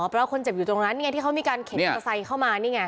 เพราะคนเจ็บอยู่ตรงนั้นไงที่เขามีการเข็นมอเตอร์ไซค์เข้ามานี่ไง